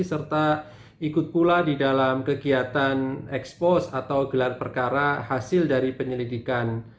serta ikut pula di dalam kegiatan ekspos atau gelar perkara hasil dari penyelidikan